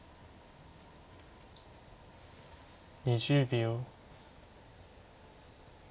２０秒。